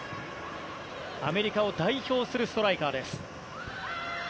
アメリカを代表するストライカーです。